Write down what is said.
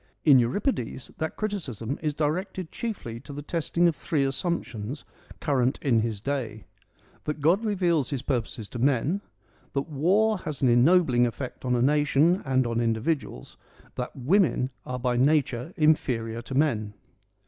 In Euripides that criticism is directed chiefly to the testing of three assumptions current in his day : that God reveals his purposes to men, that war has an ennobling effect on a nation and on individuals, that women are by nature inferior to men.